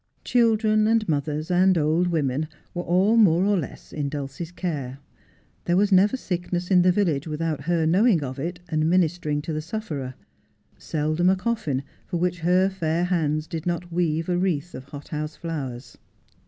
Children, and mothers, and old women, were all more or less in Dulcie's care. There was never sickness in the village without her knowing of it and ministering to the sufferer ; seldom a coffin for which her fair hands did not weave a wreath of hot house flowers.